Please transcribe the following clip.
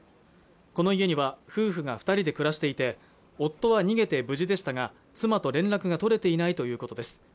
この家には夫婦が二人で暮らしていて夫は逃げて無事でしたが妻と連絡が取れていないということです